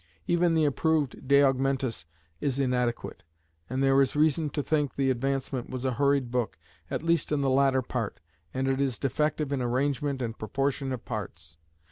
Even the improved De Augmentis is inadequate; and there is reason to think the Advancement was a hurried book, at least in the later part, and it is defective in arrangement and proportion of parts.